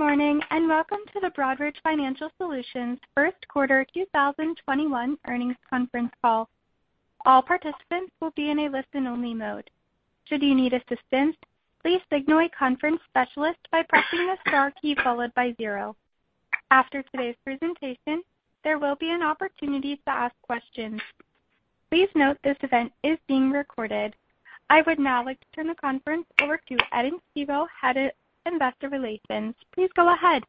Good morning, welcome to the Broadridge Financial Solutions first quarter 2021 earnings conference call. All participants will be in a listen-only mode. Should you need assistance, please signal a conference specialist by pressing the star key followed by zero. After today's presentation, there will be an opportunity to ask questions. Please note this event is being recorded. I would now like to turn the conference over to Edings Thibault, Head of Investor Relations. Please go ahead.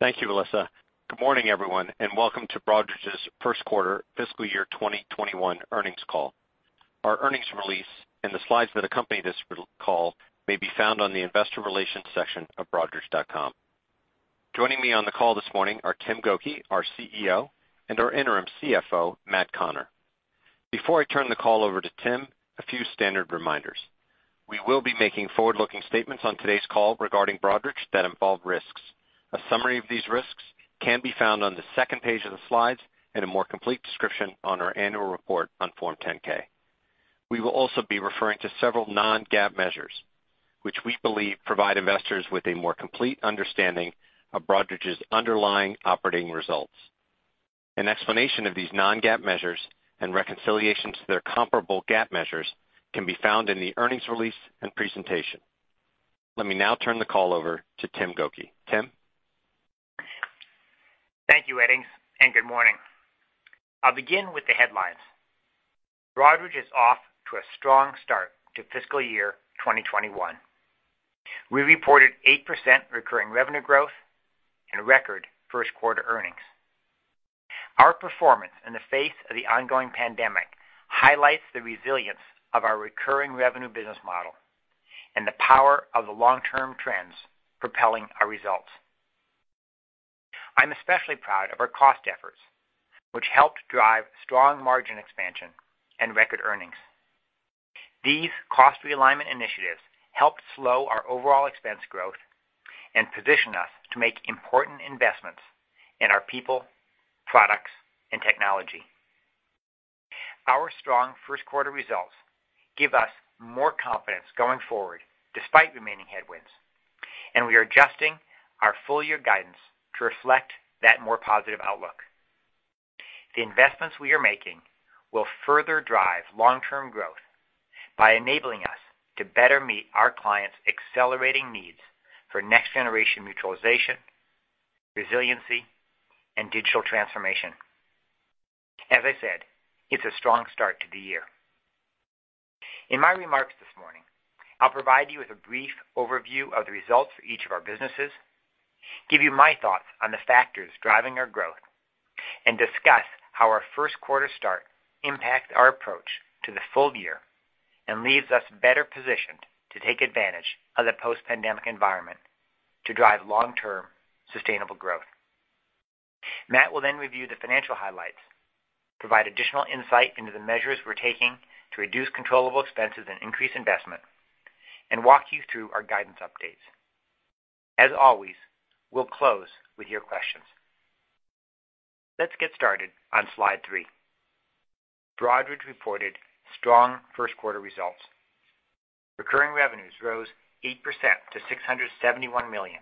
Thank you, Melissa. Good morning, everyone, and welcome to Broadridge's first quarter fiscal year 2021 earnings call. Our earnings release and the slides that accompany this call may be found on the investor relations section of broadridge.com. Joining me on the call this morning are Tim Gokey, our CEO, and our Interim CFO, Matt Connor. Before I turn the call over to Tim, a few standard reminders. We will be making forward-looking statements on today's call regarding Broadridge that involve risks. A summary of these risks can be found on the second page of the slides and a more complete description on our annual report on Form 10-K. We will also be referring to several non-GAAP measures, which we believe provide investors with a more complete understanding of Broadridge's underlying operating results. An explanation of these non-GAAP measures and reconciliation to their comparable GAAP measures can be found in the earnings release and presentation. Let me now turn the call over to Tim Gokey. Tim? Thank you, Edings, and good morning. I'll begin with the headlines. Broadridge is off to a strong start to fiscal year 2021. We reported 8% recurring revenue growth and record first quarter earnings. Our performance in the face of the ongoing pandemic highlights the resilience of our recurring revenue business model and the power of the long-term trends propelling our results. I'm especially proud of our cost efforts, which helped drive strong margin expansion and record earnings. These cost realignment initiatives helped slow our overall expense growth and position us to make important investments in our people, products, and technology. Our strong first quarter results give us more confidence going forward despite remaining headwinds, and we are adjusting our full year guidance to reflect that more positive outlook. The investments we are making will further drive long-term growth by enabling us to better meet our clients' accelerating needs for next generation mutualization, resiliency, and digital transformation. As I said, it's a strong start to the year. In my remarks this morning, I'll provide you with a brief overview of the results for each of our businesses, give you my thoughts on the factors driving our growth, and discuss how our first quarter start impacts our approach to the full year and leaves us better positioned to take advantage of the post-pandemic environment to drive long-term sustainable growth. Matt will then review the financial highlights, provide additional insight into the measures we're taking to reduce controllable expenses and increase investment, and walk you through our guidance updates. As always, we'll close with your questions. Let's get started on slide three. Broadridge reported strong first quarter results. Recurring revenues rose 8% to $671 million,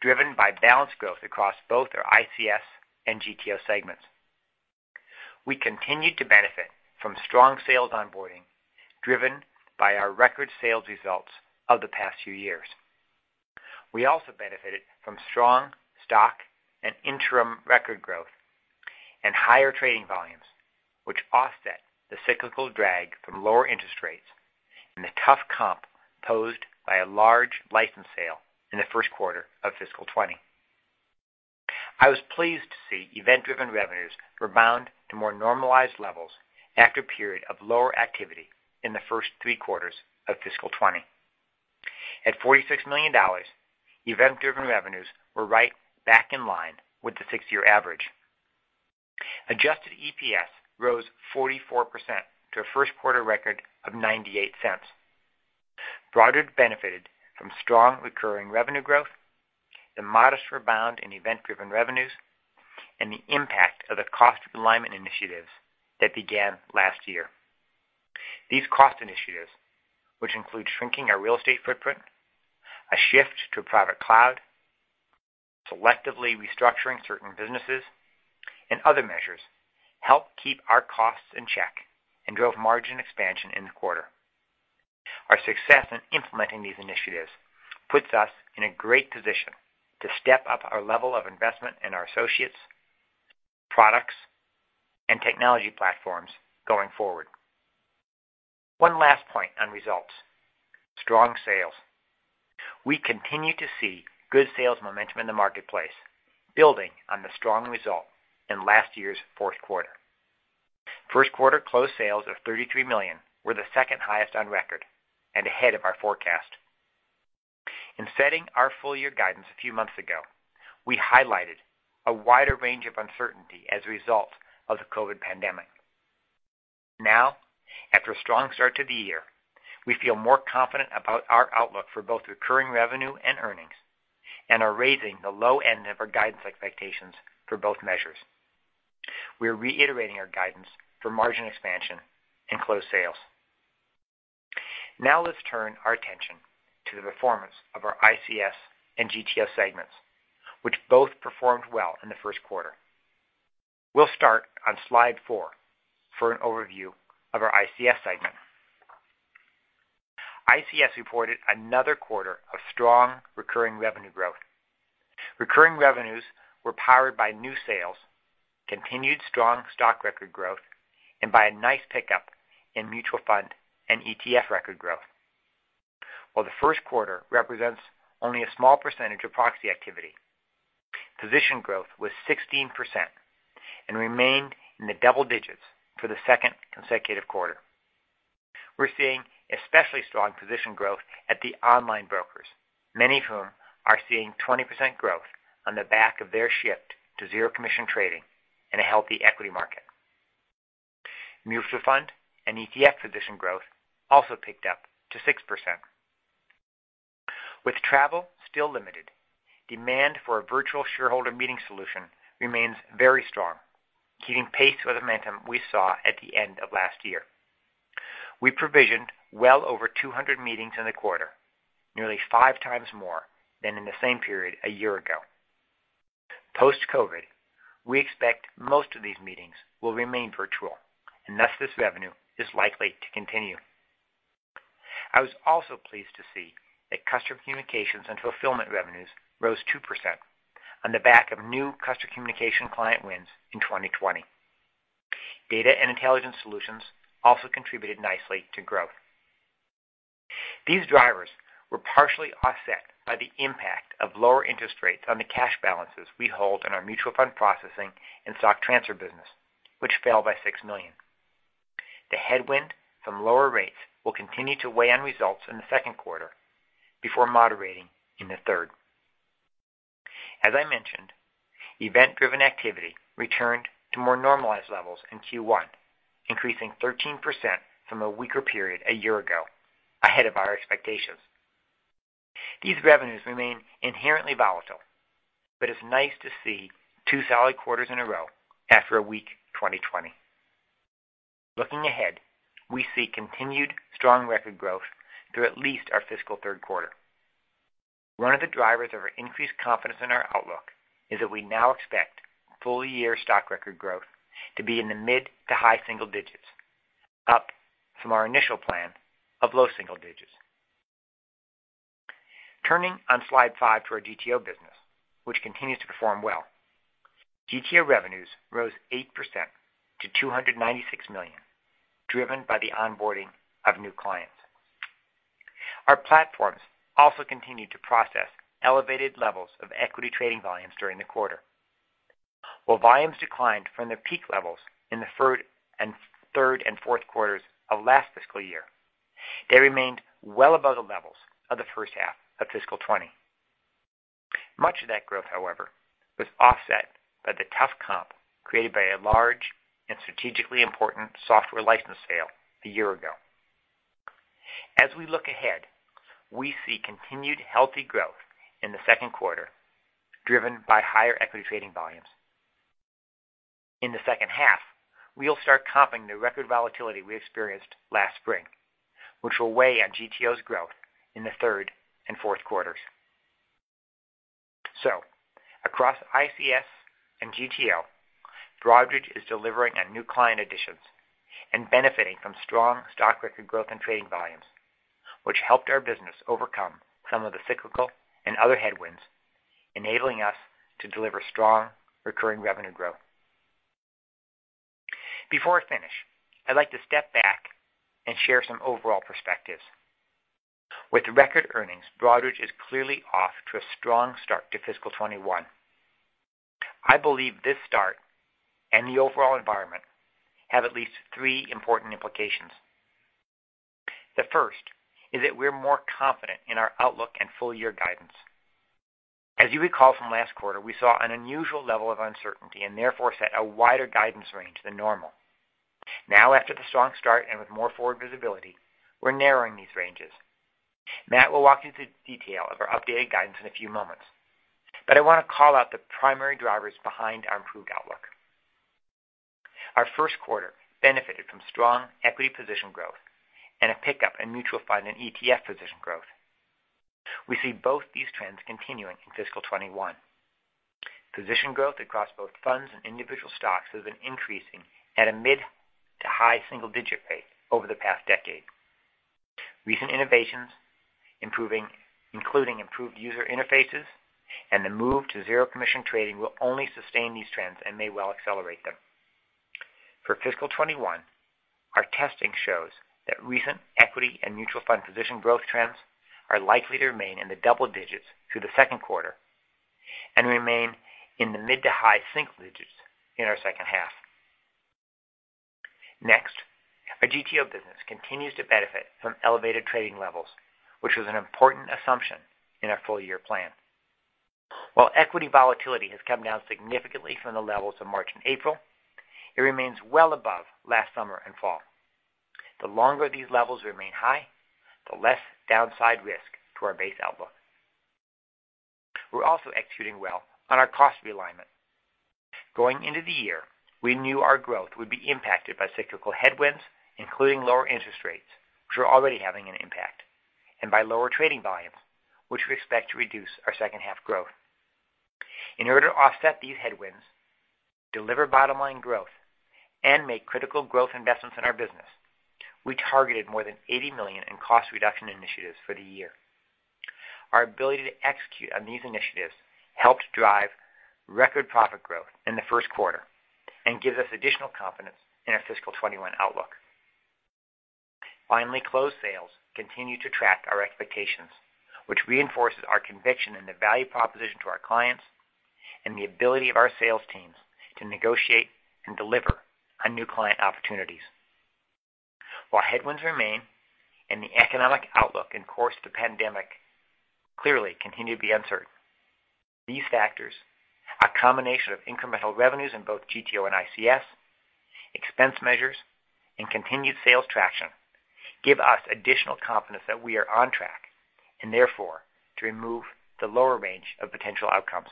driven by balanced growth across both our ICS and GTO segments. We continued to benefit from strong sales onboarding, driven by our record sales results of the past few years. We also benefited from strong stock and interim record growth and higher trading volumes, which offset the cyclical drag from lower interest rates and the tough comp posed by a large license sale in the first quarter of fiscal 2020. I was pleased to see event-driven revenues rebound to more normalized levels after a period of lower activity in the first three quarters of fiscal 2020. At $46 million, event-driven revenues were right back in line with the six year average. Adjusted EPS rose 44% to a first quarter record of $0.98. Broadridge benefited from strong recurring revenue growth, the modest rebound in event-driven revenues, and the impact of the cost alignment initiatives that began last year. These cost initiatives, which include shrinking our real estate footprint, a shift to private cloud, selectively restructuring certain businesses, and other measures, help keep our costs in check and drove margin expansion in the quarter. Our success in implementing these initiatives puts us in a great position to step up our level of investment in our associates, products, and technology platforms going forward. One last point on results. Strong sales. We continue to see good sales momentum in the marketplace, building on the strong result in last year's fourth quarter. First quarter close sales of $33 million were the second highest on record and ahead of our forecast. In setting our full year guidance a few months ago, we highlighted a wider range of uncertainty as a result of the COVID pandemic. After a strong start to the year, we feel more confident about our outlook for both recurring revenue and earnings and are raising the low end of our guidance expectations for both measures. We're reiterating our guidance for margin expansion and closed sales. Let's turn our attention to the performance of our ICS and GTO segments, which both performed well in the first quarter. We'll start on slide four for an overview of our ICS segment. ICS reported another quarter of strong recurring revenue growth. Recurring revenues were powered by new sales, continued strong stock record growth, and by a nice pickup in mutual fund and ETF record growth. While the first quarter represents only a small percentage of proxy activity, position growth was 16% and remained in the double digits for the second consecutive quarter. We're seeing especially strong position growth at the online brokers, many of whom are seeing 20% growth on the back of their shift to zero commission trading and a healthy equity market. Mutual fund and ETF position growth also picked up to 6%. With travel still limited, demand for a virtual shareholder meeting solution remains very strong, keeping pace with the momentum we saw at the end of last year. We provisioned well over 200 meetings in the quarter, nearly five times more than in the same period a year ago. Post-COVID, we expect most of these meetings will remain virtual, and thus this revenue is likely to continue. I was also pleased to see that customer communications and fulfillment revenues rose 2% on the back of new customer communication client wins in 2020. Data and intelligence solutions also contributed nicely to growth. These drivers were partially offset by the impact of lower interest rates on the cash balances we hold in our mutual fund processing and stock transfer business, which fell by $6 million. The headwind from lower rates will continue to weigh on results in the second quarter before moderating in the third. As I mentioned, event-driven activity returned to more normalized levels in Q1, increasing 13% from a weaker period a year ago, ahead of our expectations. These revenues remain inherently volatile, but it's nice to see two solid quarters in a row after a weak 2020. Looking ahead, we see continued strong record growth through at least our fiscal third quarter. One of the drivers of our increased confidence in our outlook is that we now expect full year stock record growth to be in the mid-to-high single digits, up from our initial plan of low single digits. Turning on slide five to our GTO business, which continues to perform well. GTO revenues rose 8% to $296 million, driven by the onboarding of new clients. Our platforms also continued to process elevated levels of equity trading volumes during the quarter. While volumes declined from their peak levels in the third and fourth quarters of last fiscal year, they remained well above the levels of the first half of fiscal 2020. Much of that growth, however, was offset by the tough comp created by a large and strategically important software license sale a year ago. As we look ahead, we see continued healthy growth in the second quarter, driven by higher equity trading volumes. In the second half, we'll start comping the record volatility we experienced last spring, which will weigh on GTO's growth in the third and fourth quarters. Across ICS and GTO, Broadridge is delivering on new client additions and benefiting from strong stock record growth and trading volumes, which helped our business overcome some of the cyclical and other headwinds, enabling us to deliver strong recurring revenue growth. Before I finish, I'd like to step back and share some overall perspectives. With record earnings, Broadridge is clearly off to a strong start to fiscal 2021. I believe this start and the overall environment have at least three important implications. The first is that we're more confident in our outlook and full year guidance. As you recall from last quarter, we saw an unusual level of uncertainty and therefore set a wider guidance range than normal. Now, after the strong start and with more forward visibility, we're narrowing these ranges. Matt will walk you through the detail of our updated guidance in a few moments, but I want to call out the primary drivers behind our improved outlook. Our first quarter benefited from strong equity position growth and a pickup in mutual fund and ETF position growth. We see both these trends continuing in fiscal 2021. Position growth across both funds and individual stocks has been increasing at a mid to high single-digit pace over the past decade. Recent innovations, including improved user interfaces and the move to zero commission trading, will only sustain these trends and may well accelerate them. For fiscal 2021, our testing shows that recent equity and mutual fund position growth trends are likely to remain in the double digits through the second quarter and remain in the mid to high single digits in our second half. Next, our GTO business continues to benefit from elevated trading levels, which was an important assumption in our full year plan. While equity volatility has come down significantly from the levels of March and April, it remains well above last summer and fall. The longer these levels remain high, the less downside risk to our base outlook. We're also executing well on our cost realignment. Going into the year, we knew our growth would be impacted by cyclical headwinds, including lower interest rates, which are already having an impact, and by lower trading volumes, which we expect to reduce our second half growth. In order to offset these headwinds, deliver bottom-line growth, and make critical growth investments in our business, we targeted more than $80 million in cost reduction initiatives for the year. Our ability to execute on these initiatives helped drive record profit growth in the first quarter and gives us additional confidence in our fiscal 2021 outlook. Closed sales continue to track our expectations, which reinforces our conviction in the value proposition to our clients and the ability of our sales teams to negotiate and deliver on new client opportunities. Headwinds remain and the economic outlook in course of the pandemic clearly continue to be uncertain, these factors, a combination of incremental revenues in both GTO and ICS, expense measures, and continued sales traction give us additional confidence that we are on track, and therefore, to remove the lower range of potential outcomes.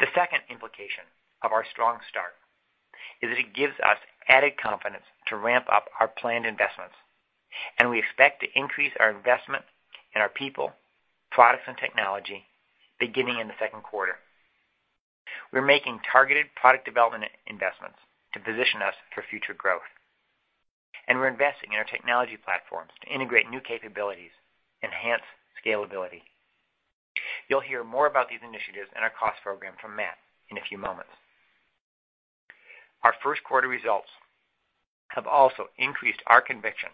The second implication of our strong start is that it gives us added confidence to ramp up our planned investments, and we expect to increase our investment in our people, products, and technology beginning in the second quarter. We're making targeted product development investments to position us for future growth, and we're investing in our technology platforms to integrate new capabilities, enhance scalability. You'll hear more about these initiatives and our cost program from Matt in a few moments. Our first quarter results have also increased our conviction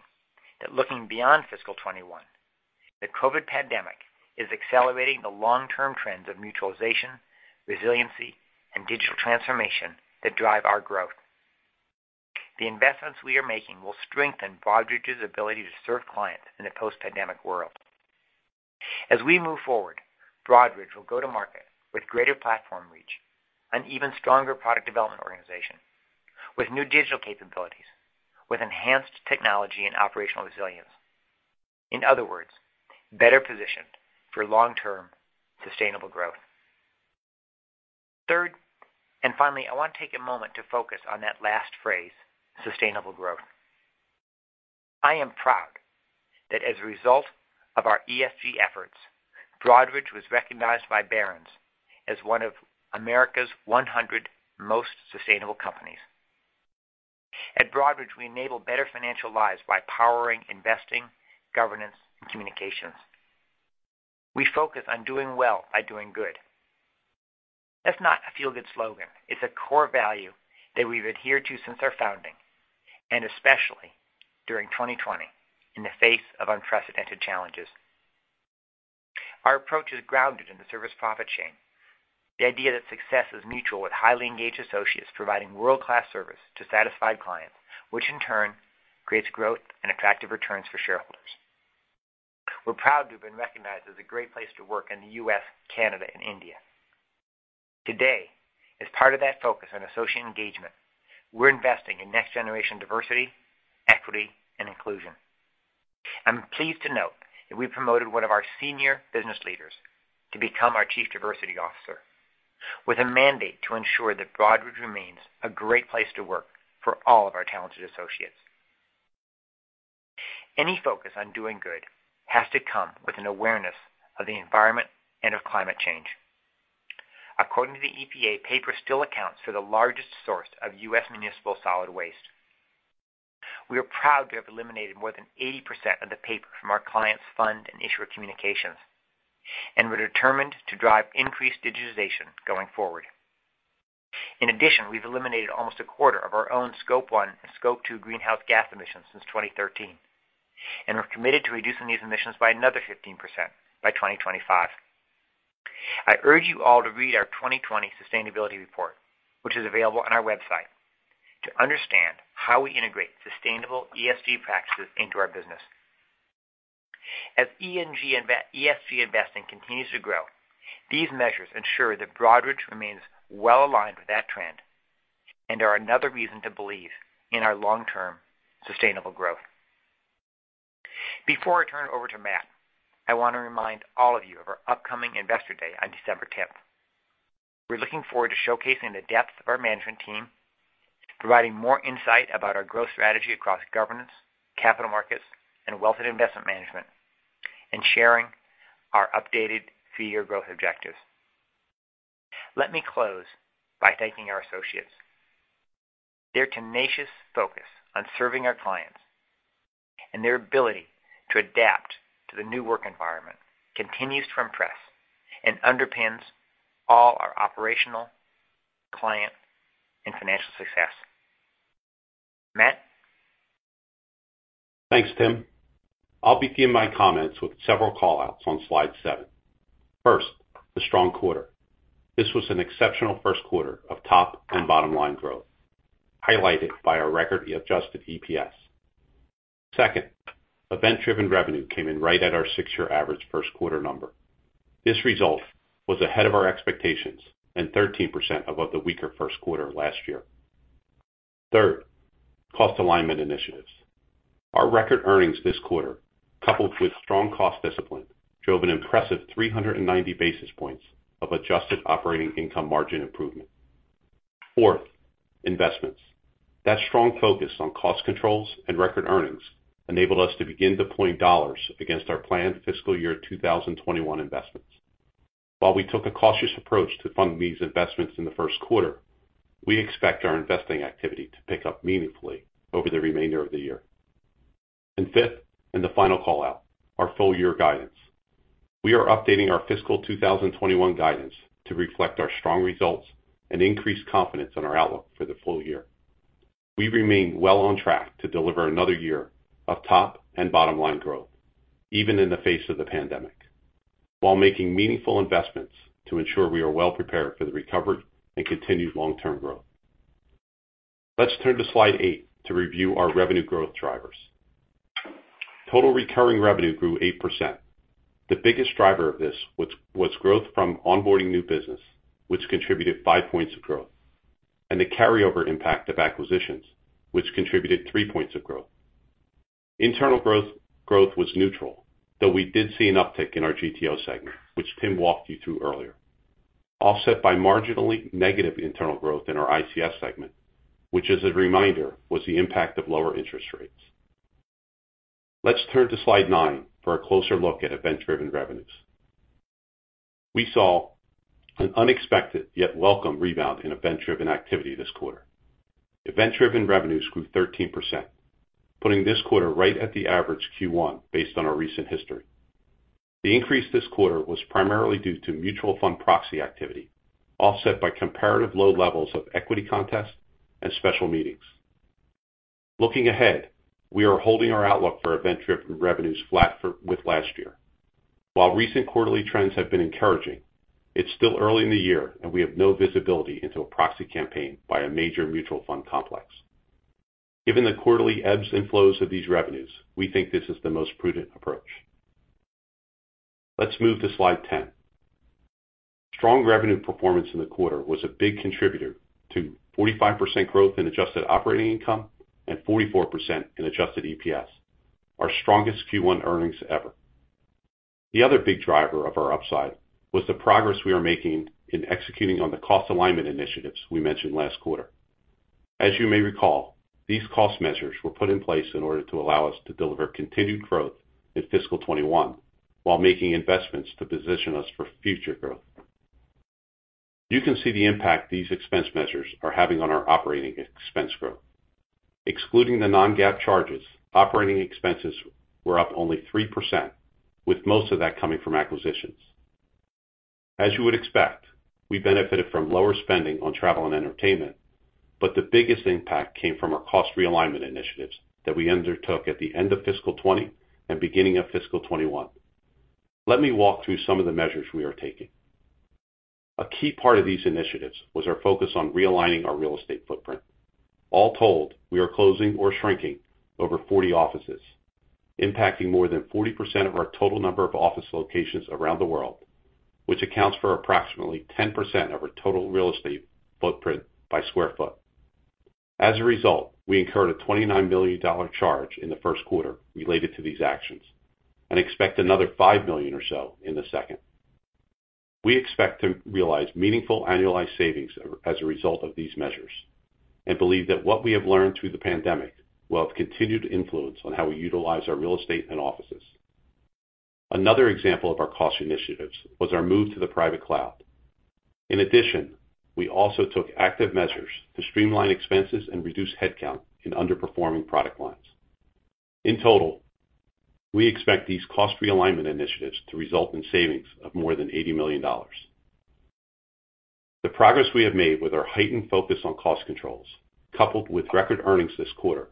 that looking beyond fiscal 2021, the COVID pandemic is accelerating the long-term trends of mutualization, resiliency, and digital transformation that drive our growth. The investments we are making will strengthen Broadridge's ability to serve clients in a post-pandemic world. As we move forward, Broadridge will go to market with greater platform reach, an even stronger product development organization, with new digital capabilities, with enhanced technology and operational resilience. In other words, better positioned for long-term sustainable growth. Third and finally, I want to take a moment to focus on that last phrase, sustainable growth. I am proud that as a result of our ESG efforts, Broadridge was recognized by Barron's as one of America's 100 most sustainable companies. At Broadridge, we enable better financial lives by powering investing, governance, and communications. We focus on doing well by doing good. That's not a feel-good slogan. It's a core value that we've adhered to since our founding, and especially during 2020 in the face of unprecedented challenges. Our approach is grounded in the service profit chain, the idea that success is mutual with highly engaged associates providing world-class service to satisfied clients, which in turn creates growth and attractive returns for shareholders. We're proud to have been recognized as a great place to work in the U.S., Canada, and India. Today, as part of that focus on associate engagement, we're investing in next-generation diversity, equity, and inclusion. I'm pleased to note that we promoted one of our senior business leaders to become our Chief Diversity Officer with a mandate to ensure that Broadridge remains a great place to work for all of our talented associates. Any focus on doing good has to come with an awareness of the environment and of climate change. According to the EPA, paper still accounts for the largest source of U.S. municipal solid waste. We are proud to have eliminated more than 80% of the paper from our clients' fund and issuer communications. We're determined to drive increased digitization going forward. In addition, we've eliminated almost a quarter of our own Scope 1 and Scope 2 greenhouse gas emissions since 2013. We're committed to reducing these emissions by another 15% by 2025. I urge you all to read our 2020 sustainability report, which is available on our website, to understand how we integrate sustainable ESG practices into our business. As ESG investing continues to grow, these measures ensure that Broadridge remains well-aligned with that trend and are another reason to believe in our long-term sustainable growth. Before I turn it over to Matt, I want to remind all of you of our upcoming Investor Day on December 10th. We're looking forward to showcasing the depth of our management team, providing more insight about our growth strategy across governance, capital markets, and wealth, and investment management, and sharing our updated three year growth objectives. Let me close by thanking our associates. Their tenacious focus on serving our clients and their ability to adapt to the new work environment continues to impress and underpins all our operational, client, and financial success. Matt? Thanks, Tim. I will begin my comments with several call-outs on slide seven. First, the strong quarter. This was an exceptional first quarter of top and bottom-line growth, highlighted by our record adjusted EPS. Second, event-driven revenue came in right at our six year average first quarter number. This result was ahead of our expectations and 13% above the weaker first quarter last year. Third, cost alignment initiatives. Our record earnings this quarter, coupled with strong cost discipline, drove an impressive 390 basis points of adjusted operating income margin improvement. Fourth, investments. That strong focus on cost controls and record earnings enabled us to begin deploying dollars against our planned fiscal year 2021 investments. While we took a cautious approach to fund these investments in the first quarter, we expect our investing activity to pick up meaningfully over the remainder of the year. Fifth, and the final call-out, our full year guidance. We are updating our fiscal 2021 guidance to reflect our strong results and increased confidence in our outlook for the full year. We remain well on track to deliver another year of top and bottom-line growth, even in the face of the pandemic, while making meaningful investments to ensure we are well prepared for the recovery and continued long-term growth. Let's turn to slide eight to review our revenue growth drivers. Total recurring revenue grew 8%. The biggest driver of this was growth from onboarding new business, which contributed 5 points of growth, and the carry-over impact of acquisitions, which contributed 3 points of growth. Internal growth was neutral, though we did see an uptick in our GTO segment, which Tim walked you through earlier, offset by marginally negative internal growth in our ICS segment, which, as a reminder, was the impact of lower interest rates. Let's turn to slide nine for a closer look at event-driven revenues. We saw an unexpected yet welcome rebound in event-driven activity this quarter. Event-driven revenues grew 13%, putting this quarter right at the average Q1 based on our recent history. The increase this quarter was primarily due to mutual fund proxy activity, offset by comparative low levels of equity contests and special meetings. Looking ahead, we are holding our outlook for event-driven revenues flat with last year. While recent quarterly trends have been encouraging, it's still early in the year, and we have no visibility into a proxy campaign by a major mutual fund complex. Given the quarterly ebbs and flows of these revenues, we think this is the most prudent approach. Let's move to slide 10. Strong revenue performance in the quarter was a big contributor to 45% growth in adjusted operating income and 44% in adjusted EPS, our strongest Q1 earnings ever. The other big driver of our upside was the progress we are making in executing on the cost alignment initiatives we mentioned last quarter. As you may recall, these cost measures were put in place in order to allow us to deliver continued growth in fiscal 2021 while making investments to position us for future growth. You can see the impact these expense measures are having on our operating expense growth. Excluding the non-GAAP charges, operating expenses were up only 3%, with most of that coming from acquisitions. As you would expect, we benefited from lower spending on travel and entertainment, but the biggest impact came from our cost realignment initiatives that we undertook at the end of fiscal 2020 and beginning of fiscal 2021. Let me walk through some of the measures we are taking. A key part of these initiatives was our focus on realigning our real estate footprint. All told, we are closing or shrinking over 40 offices, impacting more than 40% of our total number of office locations around the world, which accounts for approximately 10% of our total real estate footprint by square foot. As a result, we incurred a $29 million charge in the first quarter related to these actions and expect another $5 million or so in the second. We expect to realize meaningful annualized savings as a result of these measures and believe that what we have learned through the pandemic will have continued influence on how we utilize our real estate and offices. Another example of our cost initiatives was our move to the private cloud. In addition, we also took active measures to streamline expenses and reduce headcount in underperforming product lines. In total, we expect these cost realignment initiatives to result in savings of more than $80 million. The progress we have made with our heightened focus on cost controls, coupled with record earnings this quarter,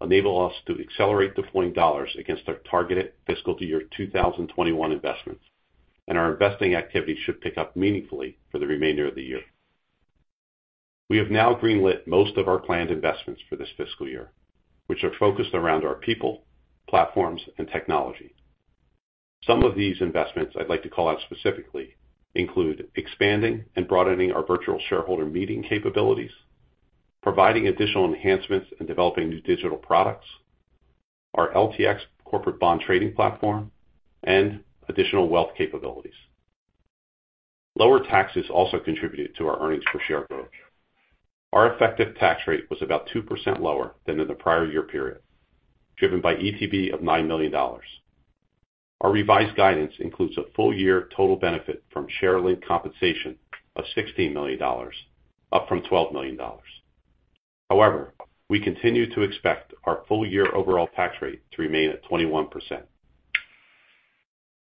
enable us to accelerate deploying dollars against our targeted fiscal year 2021 investments, and our investing activity should pick up meaningfully for the remainder of the year. We have now greenlit most of our planned investments for this fiscal year, which are focused around our people, platforms, and technology. Some of these investments I'd like to call out specifically include expanding and broadening our virtual shareholder meeting capabilities, providing additional enhancements and developing new digital products, our LTX corporate bond trading platform, and additional wealth capabilities. Lower taxes also contributed to our earnings per share growth. Our effective tax rate was about 2% lower than in the prior year period, driven by ETB of $9 million. Our revised guidance includes a full year total benefit from share linked compensation of $16 million, up from $12 million. However, we continue to expect our full year overall tax rate to remain at 21%.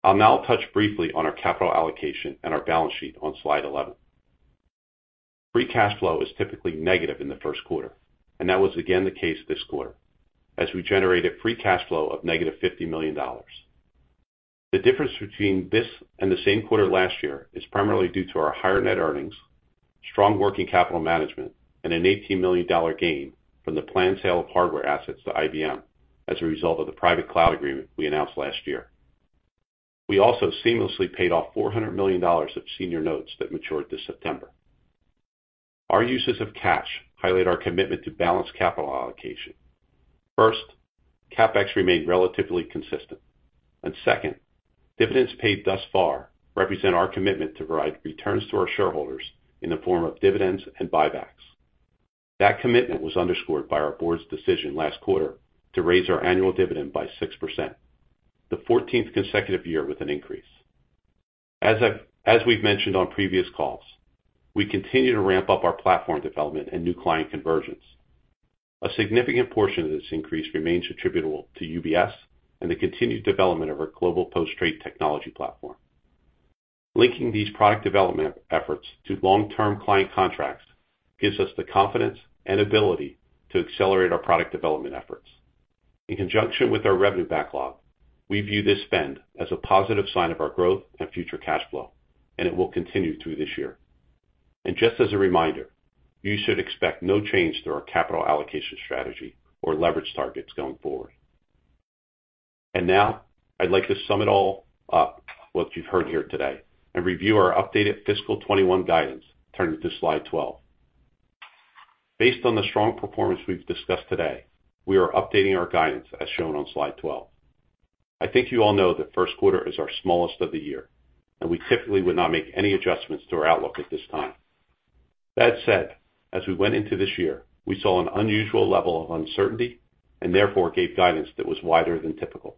I'll now touch briefly on our capital allocation and our balance sheet on slide 11. Free cash flow is typically negative in the first quarter, and that was again the case this quarter, as we generated free cash flow of negative $50 million. The difference between this and the same quarter last year is primarily due to our higher net earnings, strong working capital management, and an $18 million gain from the planned sale of hardware assets to IBM as a result of the private cloud agreement we announced last year. We also seamlessly paid off $400 million of senior notes that matured this September. Our uses of cash highlight our commitment to balanced capital allocation. First, CapEx remained relatively consistent. Second, dividends paid thus far represent our commitment to provide returns to our shareholders in the form of dividends and buybacks. That commitment was underscored by our board's decision last quarter to raise our annual dividend by 6%, the 14th consecutive year with an increase. As we've mentioned on previous calls, we continue to ramp up our platform development and new client conversions. A significant portion of this increase remains attributable to UBS and the continued development of our global post-trade technology platform. Linking these product development efforts to long-term client contracts gives us the confidence and ability to accelerate our product development efforts. In conjunction with our revenue backlog, we view this spend as a positive sign of our growth and future cash flow, and it will continue through this year. Just as a reminder, you should expect no change to our capital allocation strategy or leverage targets going forward. Now I'd like to sum it all up, what you've heard here today, and review our updated fiscal 2021 guidance, turning to slide 12. Based on the strong performance we've discussed today, we are updating our guidance as shown on slide 12. I think you all know that first quarter is our smallest of the year, and we typically would not make any adjustments to our outlook at this time. That said, as we went into this year, we saw an unusual level of uncertainty and therefore gave guidance that was wider than typical.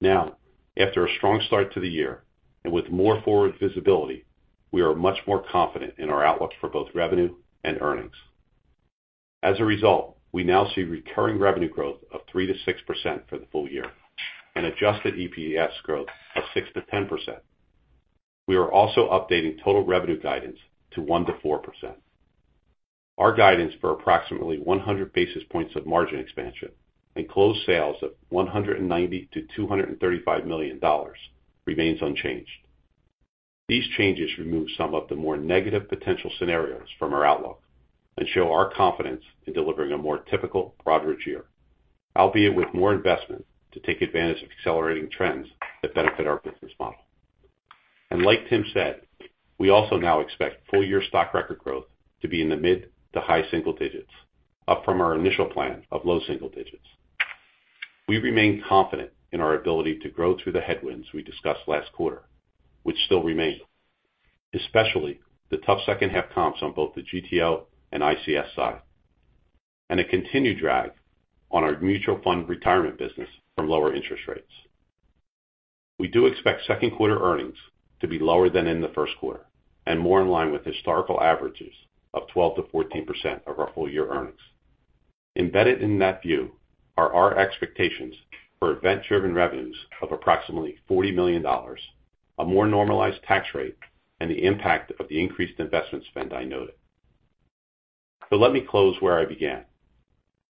Now, after a strong start to the year and with more forward visibility, we are much more confident in our outlook for both revenue and earnings. As a result, we now see recurring revenue growth of 3%-6% for the full year and adjusted EPS growth of 6%-10%. We are also updating total revenue guidance to 1%-4%. Our guidance for approximately 100 basis points of margin expansion and closed sales of $190 million-$235 million remains unchanged. These changes remove some of the more negative potential scenarios from our outlook and show our confidence in delivering a more typical Broadridge year, albeit with more investment to take advantage of accelerating trends that benefit our business model. Like Tim said, we also now expect full year stock record growth to be in the mid to high single digits, up from our initial plan of low single digits. We remain confident in our ability to grow through the headwinds we discussed last quarter, which still remain, especially the tough second half comps on both the GTO and ICS side, and a continued drag on our mutual fund retirement business from lower interest rates. We do expect second quarter earnings to be lower than in the first quarter and more in line with historical averages of 12%-14% of our full year earnings. Embedded in that view are our expectations for event-driven revenues of approximately $40 million, a more normalized tax rate, and the impact of the increased investment spend I noted. Let me close where I began.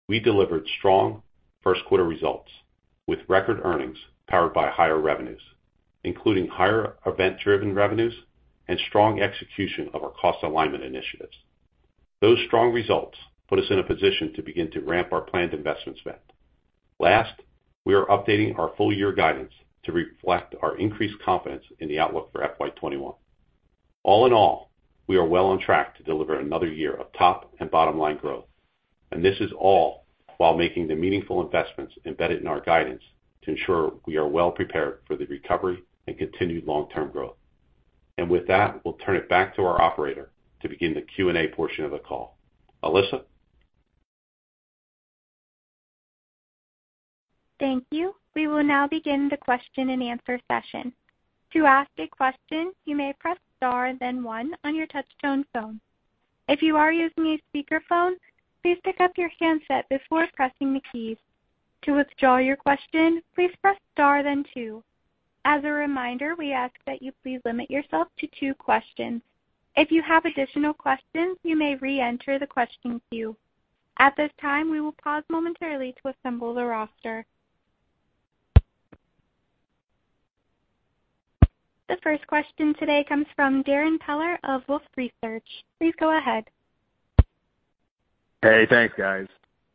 We delivered strong first quarter results with record earnings powered by higher revenues, including higher event-driven revenues and strong execution of our cost alignment initiatives. Those strong results put us in a position to begin to ramp our planned investment spend. Last, we are updating our full year guidance to reflect our increased confidence in the outlook for FY 2021. All in all, we are well on track to deliver another year of top and bottom-line growth, and this is all while making the meaningful investments embedded in our guidance to ensure we are well prepared for the recovery and continued long-term growth. With that, we'll turn it back to our operator to begin the Q&A portion of the call. Melissa? Thank you. We will now begin the question and answer session. To ask a question, you may press star then one on your touch-tone phone. If you are using a speakerphone, please pick up your handset before pressing the keys. To withdraw your question, please press star then two. As a reminder, we ask that you please limit yourself to two questions. If you have additional questions, you may reenter the question queue. At this time, we will pause momentarily to assemble the roster. The first question today comes from Darrin Peller of Wolfe Research. Please go ahead. Hey, thanks, guys.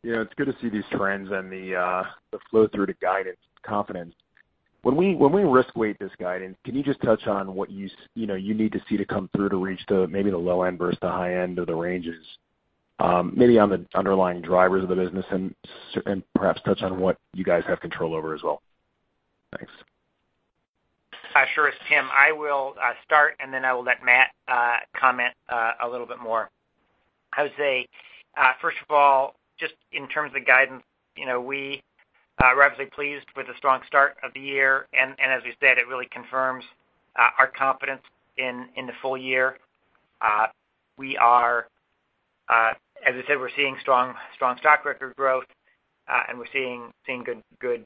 It's good to see these trends and the flow through to guidance confidence. When we risk weight this guidance, can you just touch on what you need to see to come through to reach maybe the low end versus the high end of the ranges maybe on the underlying drivers of the business and perhaps touch on what you guys have control over as well? Thanks. Sure. It's Tim. I will start, and then I will let Matt comment a little bit more. I would say, first of all, just in terms of guidance, we are obviously pleased with the strong start of the year, and as we said, it really confirms our confidence in the full year. As I said, we're seeing strong stock record growth, and we're seeing good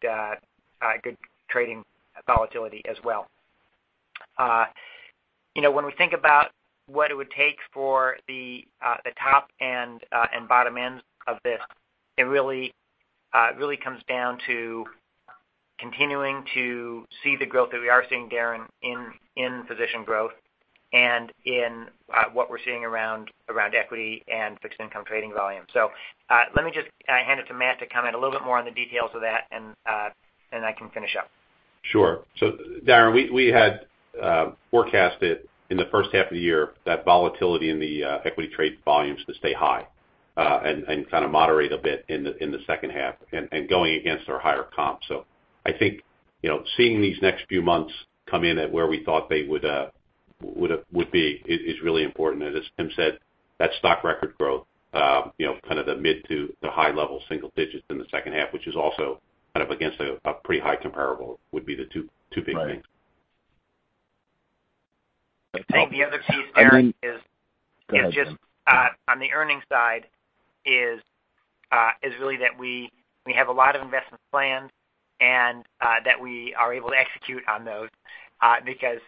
trading volatility as well. When we think about what it would take for the top and bottom ends of this, it really comes down to continuing to see the growth that we are seeing, Darrin, in position growth. In what we're seeing around equity and fixed income trading volume. Let me just hand it to Matt to comment a little bit more on the details of that, and then I can finish up. Sure. Darrin, we had forecasted in the first half of the year that volatility in the equity trade volumes to stay high, and kind of moderate a bit in the second half, and going against our higher comps. I think, seeing these next few months come in at where we thought they would be is really important. As Tim said, that stock record growth, kind of the mid to the high level single digits in the second half, which is also kind of against a pretty high comparable, would be the two big things. I think the other piece, Darrin, is just on the earnings side is really that we have a lot of investments planned and that we are able to execute on those, because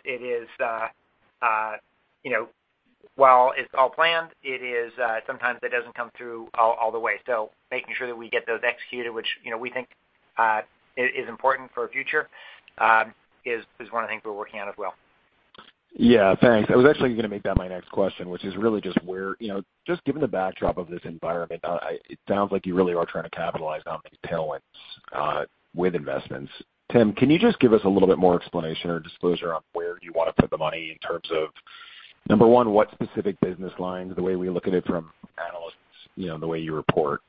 while it's all planned, sometimes it doesn't come through all the way. Making sure that we get those executed, which we think is important for our future, is one of the things we're working on as well. Yeah, thanks. I was actually going to make that my next question, which is really just given the backdrop of this environment, it sounds like you really are trying to capitalize on these tailwinds with investments. Tim, can you just give us a little bit more explanation or disclosure on where you want to put the money in terms of, number 1, what specific business lines, the way we look at it from analysts, the way you report.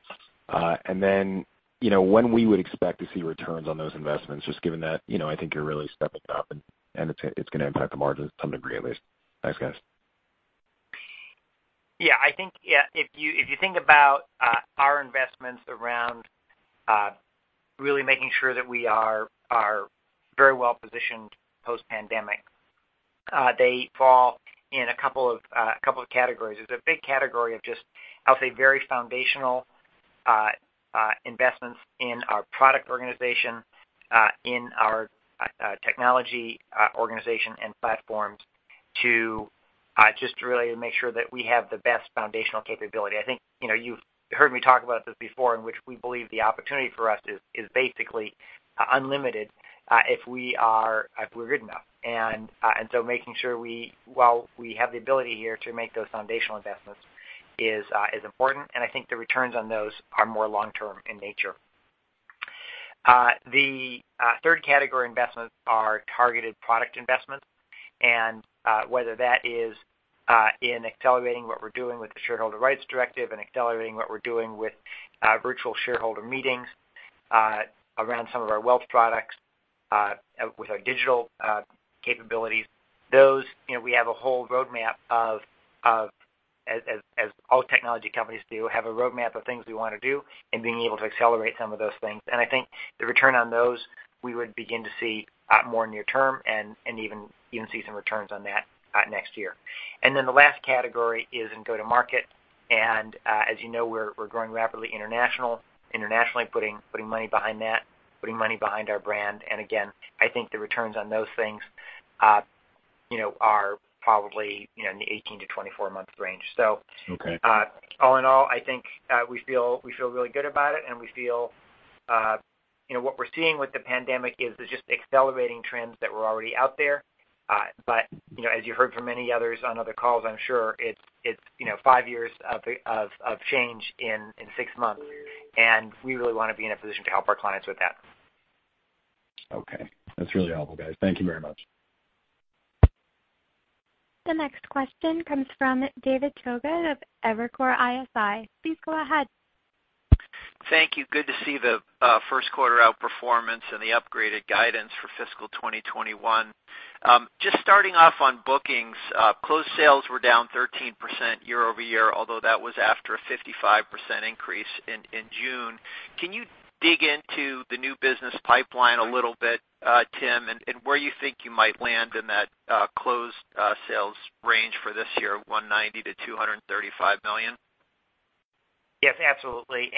When we would expect to see returns on those investments, just given that I think you're really stepping up and it's going to impact the margins to some degree, at least. Thanks, guys. Yeah, if you think about our investments around really making sure that we are very well-positioned post-pandemic, they fall in a couple of categories. There's a big category of just, I'll say, very foundational investments in our product organization, in our technology organization and platforms to just really make sure that we have the best foundational capability. I think you've heard me talk about this before, in which we believe the opportunity for us is basically unlimited if we're good enough. Making sure while we have the ability here to make those foundational investments is important, and I think the returns on those are more long-term in nature. The 3rd category investments are targeted product investments, whether that is in accelerating what we're doing with the Shareholder Rights Directive and accelerating what we're doing with virtual shareholder meetings around some of our wealth products with our digital capabilities. Those, we have a whole roadmap, as all technology companies do, have a roadmap of things we want to do and being able to accelerate some of those things. I think the return on those, we would begin to see more near term and even see some returns on that next year. The last category is in go-to-market. As you know, we're growing rapidly internationally, putting money behind that, putting money behind our brand. Again, I think the returns on those things are probably in the 18-24 month range. Okay. All in all, I think we feel really good about it, and we feel what we're seeing with the pandemic is just accelerating trends that were already out there. As you heard from many others on other calls, I'm sure it's five years of change in six months, and we really want to be in a position to help our clients with that. Okay. That's really helpful, guys. Thank you very much. The next question comes from David Togut of Evercore ISI. Please go ahead. Thank you. Good to see the first quarter outperformance and the upgraded guidance for fiscal 2021. Just starting off on bookings. Closed sales were down 13% year-over-year, although that was after a 55% increase in June. Can you dig into the new business pipeline a little bit, Tim, and where you think you might land in that closed sales range for this year, $190 million-$235 million? Yes, absolutely.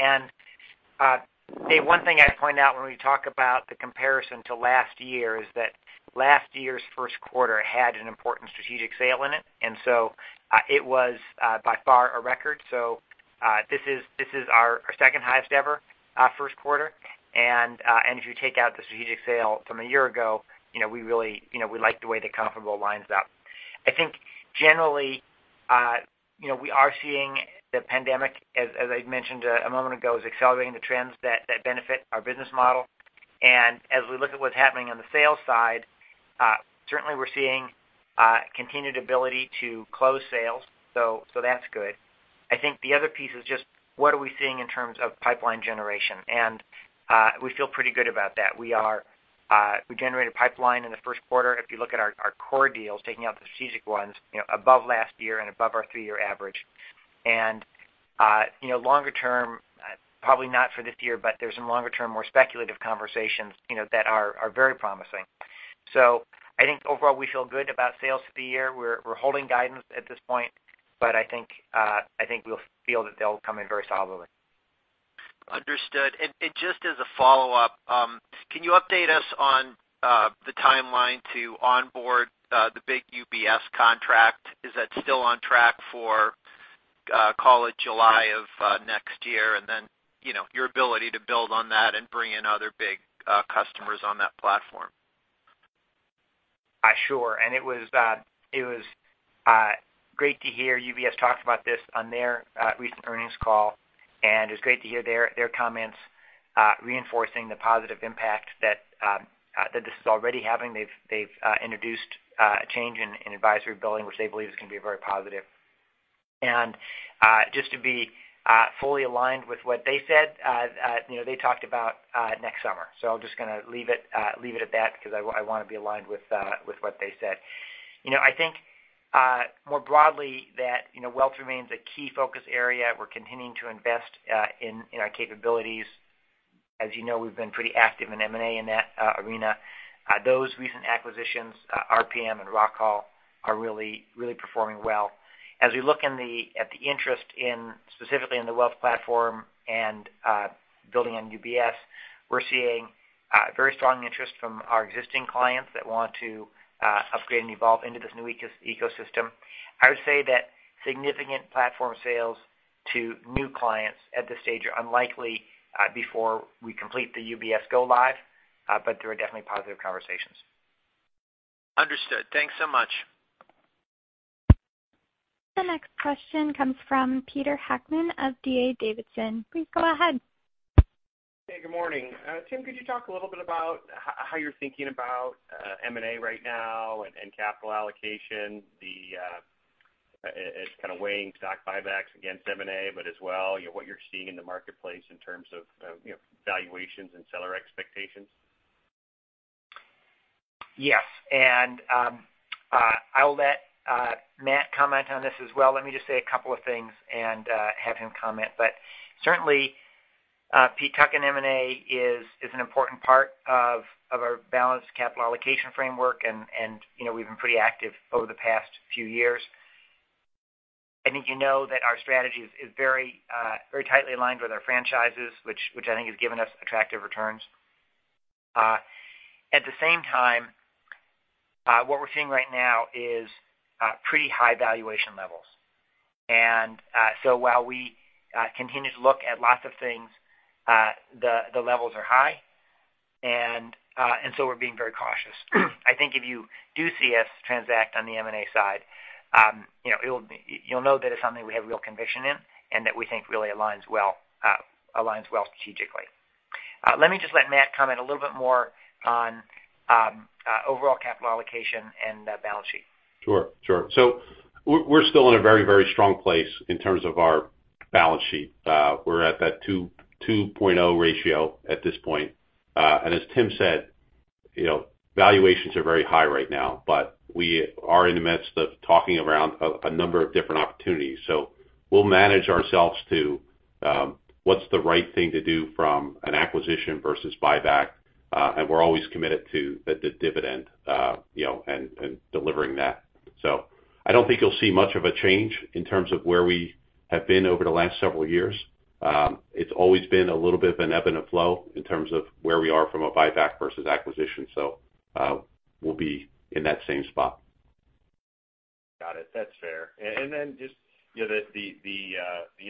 Dave, one thing I'd point out when we talk about the comparison to last year is that last year's first quarter had an important strategic sale in it. It was by far a record. This is our second highest ever first quarter. If you take out the strategic sale from a year ago, we like the way the comparable lines up. I think generally we are seeing the pandemic, as I mentioned a moment ago, is accelerating the trends that benefit our business model. As we look at what's happening on the sales side, certainly we're seeing continued ability to close sales. That's good. I think the other piece is just what are we seeing in terms of pipeline generation, and we feel pretty good about that. We generated pipeline in the first quarter. If you look at our core deals, taking out the strategic ones, above last year and above our three year average. Longer term, probably not for this year, but there's some longer term, more speculative conversations that are very promising. I think overall, we feel good about sales for the year. We're holding guidance at this point, but I think we'll feel that they'll come in very solidly. Understood. Just as a follow-up, can you update us on the timeline to onboard the big UBS contract? Is that still on track for call it July of next year, and then your ability to build on that and bring in other big customers on that platform? Sure. It was great to hear UBS talk about this on their recent earnings call, and it was great to hear their comments reinforcing the positive impact that this is already having. They've introduced a change in advisory billing, which they believe is going to be very positive. Just to be fully aligned with what they said, they talked about next summer. I'm just going to leave it at that because I want to be aligned with what they said. I think, more broadly, that wealth remains a key focus area. We're continuing to invest in our capabilities. As you know, we've been pretty active in M&A in that arena. Those recent acquisitions, RPM and Rockall, are really performing well. As we look at the interest specifically in the wealth platform and building on UBS, we're seeing very strong interest from our existing clients that want to upgrade and evolve into this new ecosystem. I would say that significant platform sales to new clients at this stage are unlikely before we complete the UBS go live. There are definitely positive conversations. Understood. Thanks so much. The next question comes from Peter Heckmann of D.A. Davidson. Please go ahead. Hey, good morning. Tim, could you talk a little bit about how you're thinking about M&A right now and capital allocation, the kind of weighing stock buybacks against M&A, but as well, what you're seeing in the marketplace in terms of valuations and seller expectations? I'll let Matt comment on this as well. Let me just say a couple of things and have him comment. Certainly, Pete, M&A is an important part of our balanced capital allocation framework, and we've been pretty active over the past few years. I think you know that our strategy is very tightly aligned with our franchises, which I think has given us attractive returns. At the same time, what we're seeing right now is pretty high valuation levels. While we continue to look at lots of things, the levels are high, and so we're being very cautious. I think if you do see us transact on the M&A side, you'll know that it's something we have real conviction in and that we think really aligns well strategically. Let me just let Matt comment a little bit more on overall capital allocation and the balance sheet. Sure. We're still in a very, very strong place in terms of our balance sheet. We're at that 2.0 ratio at this point. As Tim said, valuations are very high right now, but we are in the midst of talking around a number of different opportunities. We'll manage ourselves to what's the right thing to do from an acquisition versus buyback. We're always committed to the dividend and delivering that. I don't think you'll see much of a change in terms of where we have been over the last several years. It's always been a little bit of an ebb and a flow in terms of where we are from a buyback versus acquisition. We'll be in that same spot. Got it. That's fair. Just the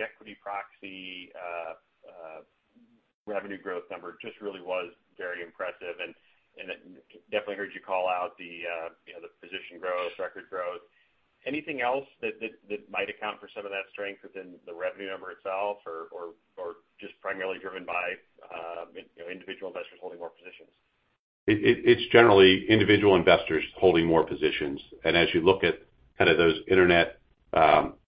equity proxy revenue growth number just really was very impressive, and definitely heard you call out the position growth, record growth. Anything else that might account for some of that strength within the revenue number itself, or just primarily driven by individual investors holding more positions? It's generally individual investors holding more positions. As you look at those internet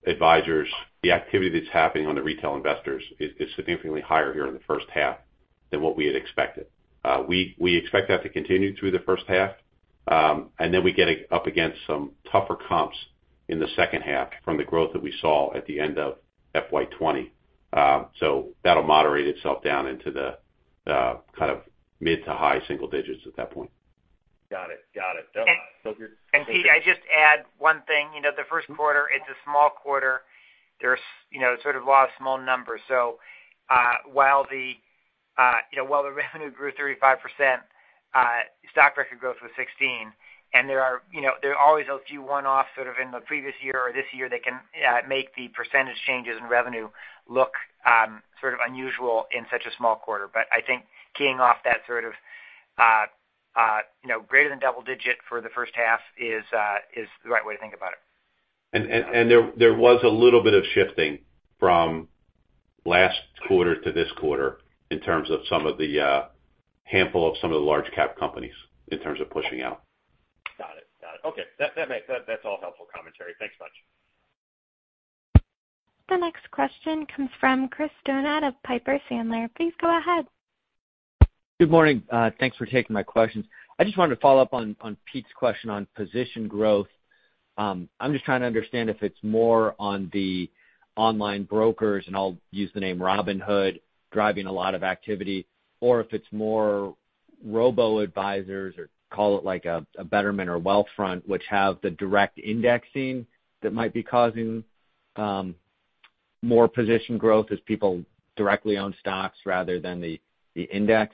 advisors, the activity that's happening on the retail investors is significantly higher here in the first half than what we had expected. We expect that to continue through the first half, and then we get up against some tougher comps in the second half from the growth that we saw at the end of FY 2020. That'll moderate itself down into the mid-to-high single digits at that point. Got it. Pete, I'd just add one thing. The first quarter, it's a small quarter. There's sort of a lot of small numbers. While the revenue grew 35%, stock record growth was 16%, and there are always those few one-offs sort of in the previous year or this year that can make the percentage changes in revenue look sort of unusual in such a small quarter. I think keying off that sort of greater than double-digit for the first half is the right way to think about it. There was a little bit of shifting from last quarter to this quarter in terms of some of the handful of the large cap companies in terms of pushing out. Got it. Okay. That's all helpful commentary. Thanks much. The next question comes from Chris Donat of Piper Sandler. Please go ahead. Good morning. Thanks for taking my questions. I just wanted to follow up on Pete's question on position growth. I'm just trying to understand if it's more on the online brokers, and I'll use the name Robinhood, driving a lot of activity, or if it's more robo-advisors, or call it like a Betterment or Wealthfront, which have the direct indexing that might be causing more position growth as people directly own stocks rather than the index.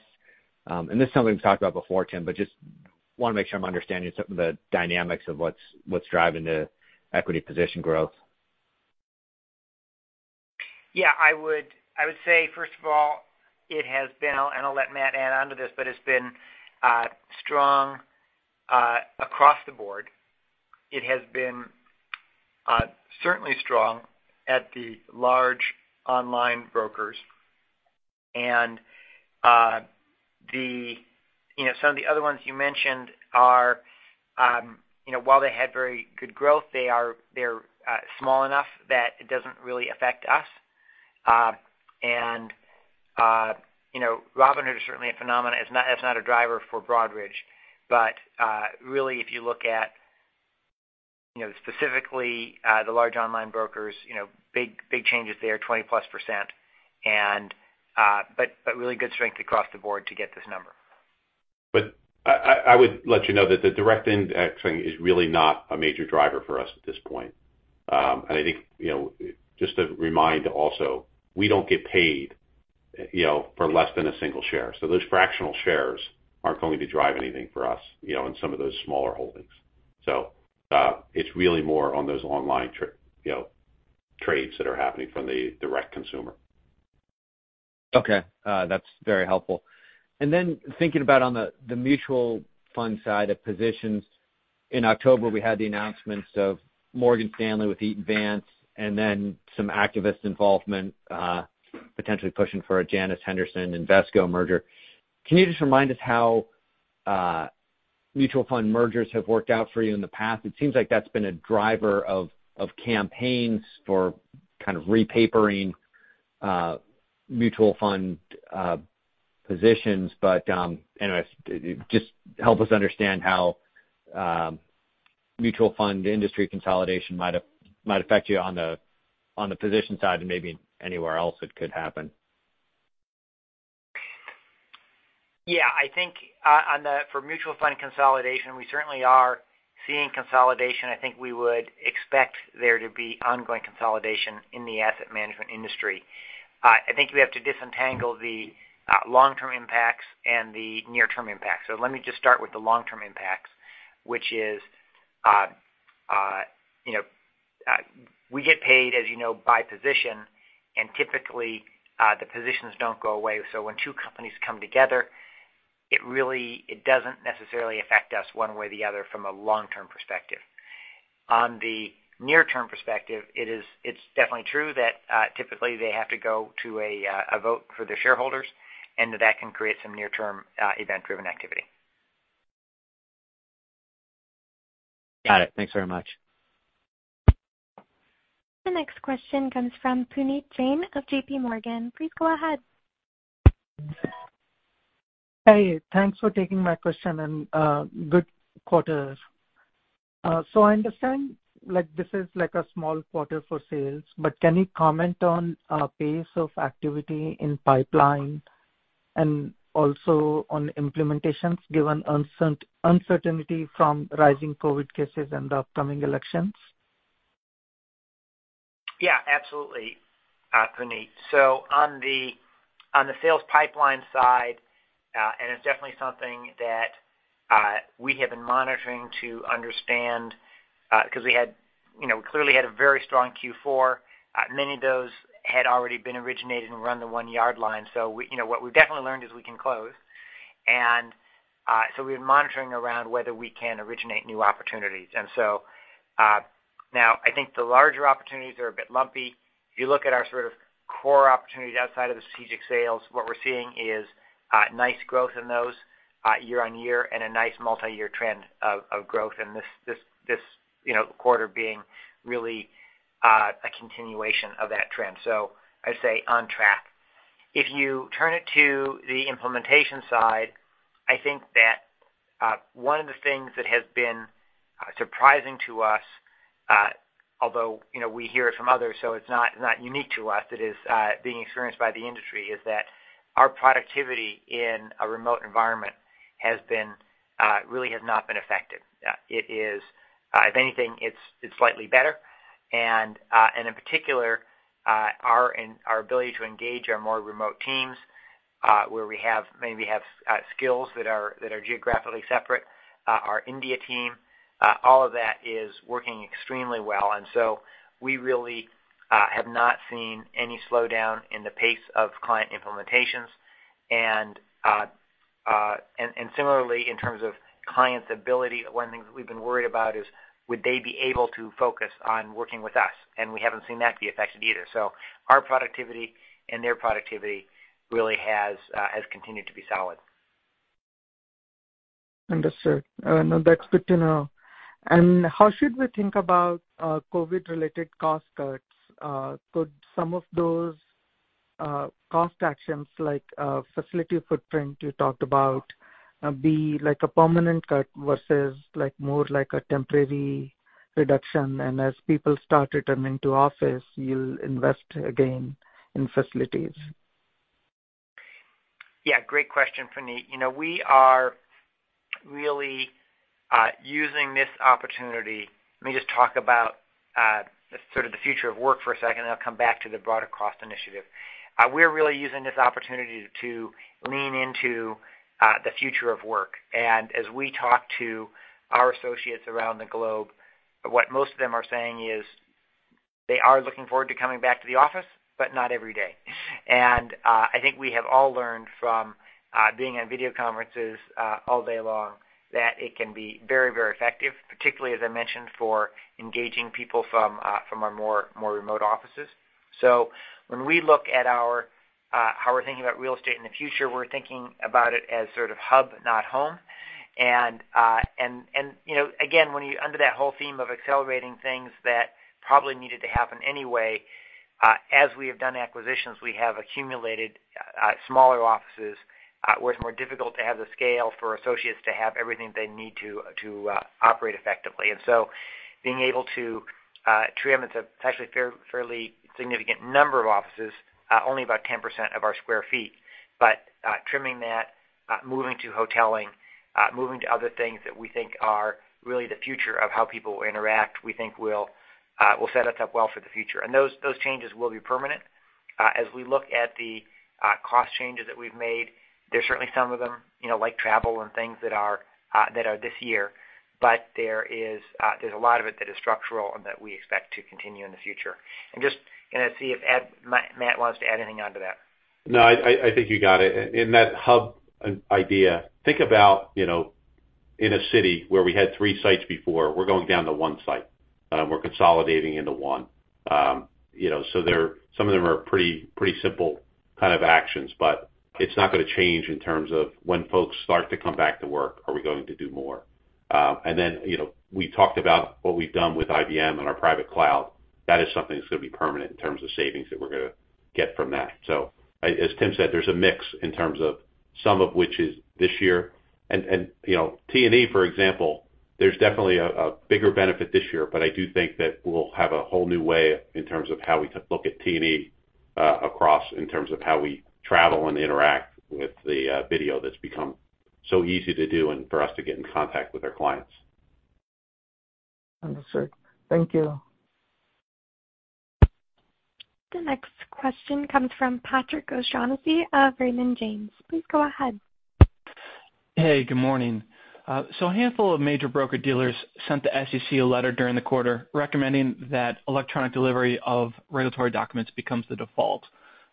This is something we've talked about before, Tim, but justWant to make sure I'm understanding some of the dynamics of what's driving the equity position growth. I would say, first of all, it has been, and I'll let Matt add onto this, but it's been strong across the board. It has been certainly strong at the large online brokers, and some of the other ones you mentioned are while they had very good growth, they're small enough that it doesn't really affect us. Robinhood is certainly a phenomenon. It's not a driver for Broadridge. Really, if you look at specifically the large online brokers, big changes there, 20+%. Really good strength across the board to get this number. I would let you know that the direct indexing is really not a major driver for us at this point. I think, just to remind also, we don't get paid for less than a single share. Those fractional shares aren't going to drive anything for us in some of those smaller holdings. It's really more on those online trades that are happening from the direct consumer. Okay. That's very helpful. Thinking about on the mutual fund side of positions, in October, we had the announcements of Morgan Stanley with Eaton Vance and then some activist involvement potentially pushing for a Janus Henderson Invesco merger. Can you just remind us how mutual fund mergers have worked out for you in the past? It seems like that's been a driver of campaigns for kind of repapering mutual fund positions. Just help us understand how mutual fund industry consolidation might affect you on the position side and maybe anywhere else it could happen. Yeah, I think for mutual fund consolidation, we certainly are seeing consolidation. I think we would expect there to be ongoing consolidation in the asset management industry. I think we have to disentangle the long-term impacts and the near-term impacts. Let me just start with the long-term impacts, which is, we get paid, as you know, by position, and typically, the positions don't go away. When two companies come together, it doesn't necessarily affect us one way or the other from a long-term perspective. On the near-term perspective, it's definitely true that typically they have to go to a vote for their shareholders, and that can create some near-term event-driven activity. Got it. Thanks very much. The next question comes from Puneet Jain of JPMorgan. Please go ahead. Hey, thanks for taking my question, and good quarter. I understand this is like a small quarter for sales, but can you comment on pace of activity in pipeline and also on implementations given uncertainty from rising COVID cases and the upcoming elections? Yeah, absolutely, Puneet. On the sales pipeline side, and it's definitely something that we have been monitoring to understand because we clearly had a very strong Q4. Many of those had already been originated and run the one-yard line. What we've definitely learned is we can close. We've been monitoring around whether we can originate new opportunities. Now I think the larger opportunities are a bit lumpy. If you look at our sort of core opportunities outside of the strategic sales, what we're seeing is nice growth in those year-on-year and a nice multi-year trend of growth, and this quarter being really a continuation of that trend. I'd say on track. If you turn it to the implementation side, I think that one of the things that has been surprising to us, although we hear it from others, so it's not unique to us, it is being experienced by the industry, is that our productivity in a remote environment really has not been affected. If anything, it's slightly better. In particular, our ability to engage our more remote teams where we maybe have skills that are geographically separate, our India team, all of that is working extremely well. We really have not seen any slowdown in the pace of client implementations. Similarly, in terms of clients' ability, one of the things that we've been worried about is would they be able to focus on working with us? We haven't seen that be affected either. Our productivity and their productivity really has continued to be solid. Understood. No, that's good to know. How should we think about COVID-related cost cuts? Could some of those cost actions like facility footprint you talked about be like a permanent cut versus more like a temporary reduction, and as people start returning to office, you'll invest again in facilities? Yeah, great question, Puneet. We are really using this opportunity, let me just talk about sort of the future of work for a second, I'll come back to the broader cost initiative. We're really using this opportunity to lean into the future of work. As we talk to our associates around the globe, what most of them are saying is they are looking forward to coming back to the office, but not every day. I think we have all learned from being on video conferences all day long that it can be very effective, particularly, as I mentioned, for engaging people from our more remote offices. When we look at how we're thinking about real estate in the future, we're thinking about it as sort of hub, not home. Again, under that whole theme of accelerating things that probably needed to happen anyway, as we have done acquisitions, we have accumulated smaller offices where it's more difficult to have the scale for associates to have everything they need to operate effectively. Being able to trim, it's actually a fairly significant number of offices, only about 10% of our square feet. Trimming that, moving to hoteling, moving to other things that we think are really the future of how people interact, we think will set us up well for the future. Those changes will be permanent. As we look at the cost changes that we've made, there's certainly some of them, like travel and things that are this year, but there's a lot of it that is structural and that we expect to continue in the future. Just going to see if Matt wants to add anything onto that. No, I think you got it. In that hub idea, think about in a city where we had three sites before, we're going down to one site. We're consolidating into one. Some of them are pretty simple kind of actions, but it's not going to change in terms of when folks start to come back to work, are we going to do more? We talked about what we've done with IBM and our private cloud. That is something that's going to be permanent in terms of savings that we're going to get from that. As Tim said, there's a mix in terms of some of which is this year. T&E, for example, there's definitely a bigger benefit this year, but I do think that we'll have a whole new way in terms of how we look at T&E across, in terms of how we travel and interact with the video that's become so easy to do and for us to get in contact with our clients. Understood. Thank you. The next question comes from Patrick O'Shaughnessy of Raymond James. Please go ahead. Good morning. A handful of major broker-dealers sent the SEC a letter during the quarter recommending that electronic delivery of regulatory documents becomes the default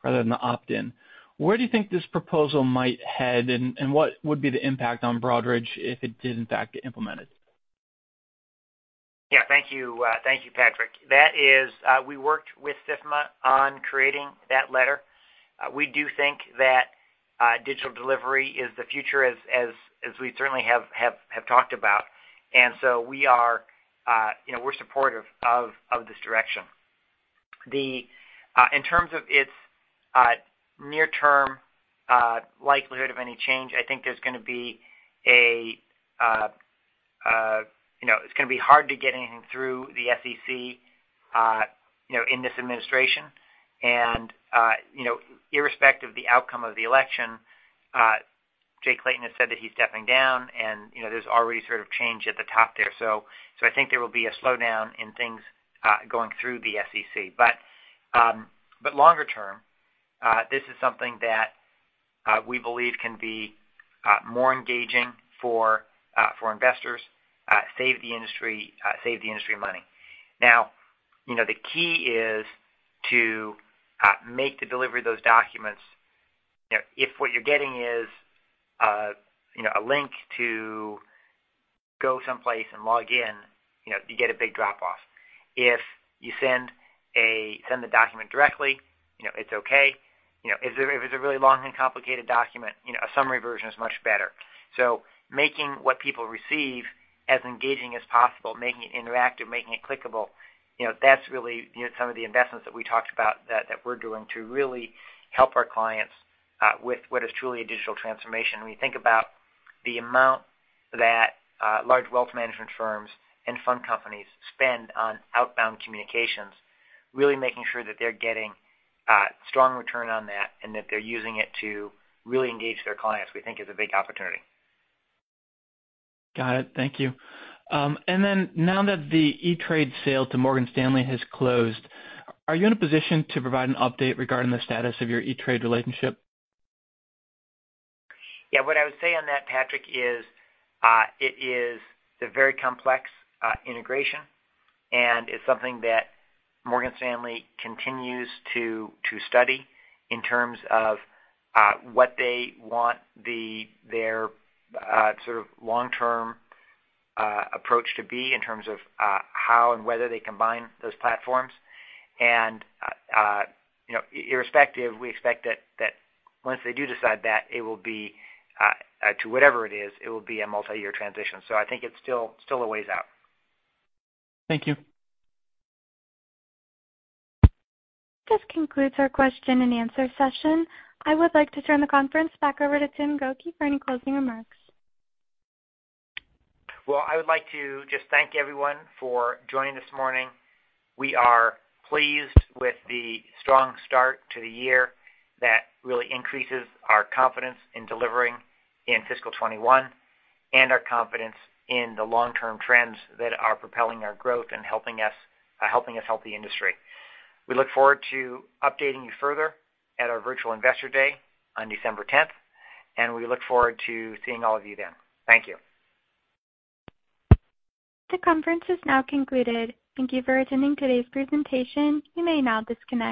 rather than the opt-in. Where do you think this proposal might head, and what would be the impact on Broadridge if it did in fact get implemented? Yeah, thank you, Patrick. We worked with SIFMA on creating that letter. We do think that digital delivery is the future, as we certainly have talked about. We're supportive of this direction. In terms of its near-term likelihood of any change, I think it's going to be hard to get anything through the SEC in this administration. Irrespective of the outcome of the election, Jay Clayton has said that he's stepping down, and there's already sort of change at the top there. I think there will be a slowdown in things going through the SEC. Longer term, this is something that we believe can be more engaging for investors, save the industry money. Now, the key is to make the delivery of those documents. If what you're getting is a link to go someplace and log in, you get a big drop-off. If you send the document directly, it's okay. If it's a really long and complicated document, a summary version is much better. Making what people receive as engaging as possible, making it interactive, making it clickable, that's really some of the investments that we talked about that we're doing to really help our clients with what is truly a digital transformation. When you think about the amount that large wealth management firms and fund companies spend on outbound communications, really making sure that they're getting strong return on that and that they're using it to really engage their clients, we think is a big opportunity. Got it. Thank you. Now that the E*TRADE sale to Morgan Stanley has closed, are you in a position to provide an update regarding the status of your E*TRADE relationship? Yeah, what I would say on that, Patrick, is it is a very complex integration, and it's something that Morgan Stanley continues to study in terms of what they want their sort of long-term approach to be in terms of how and whether they combine those platforms. Irrespective, we expect that once they do decide that, to whatever it is, it will be a multi-year transition. I think it's still a ways out. Thank you. This concludes our question and answer session. I would like to turn the conference back over to Tim Gokey for any closing remarks. Well, I would like to just thank everyone for joining this morning. We are pleased with the strong start to the year. That really increases our confidence in delivering in fiscal 2021 and our confidence in the long-term trends that are propelling our growth and helping us help the industry. We look forward to updating you further at our virtual Investor Day on December 10th, and we look forward to seeing all of you then. Thank you. This conference has now concluded. Thank you for attending today's presentation. You may now disconnect.